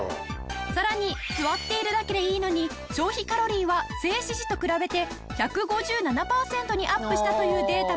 さらに座っているだけでいいのに消費カロリーは静止時と比べて１５７パーセントにアップしたというデータもあるんだって。